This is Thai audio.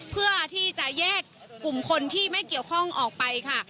เพื่อที่จะแยกกลุ่มคนที่ไม่เกี่ยวข้องออกไปค่ะ